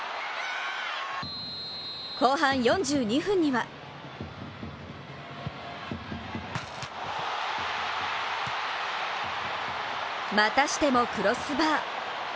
後半４２分にはまたしてもクロスバー。